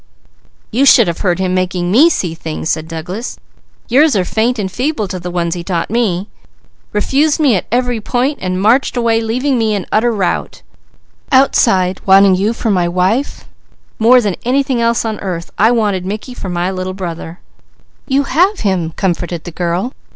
"You should have heard him making me see things!" said Douglas. "Yours are faint and feeble to the ones he taught me. Refused me at every point, and marched away leaving me in utter rout! Outside wanting you for my wife, more than anything else on earth, I wanted Mickey for my Little Brother." "You have him!" comforted the girl.